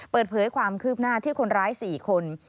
เปิดเผยความคืบหน้าที่คนร้าย๔คน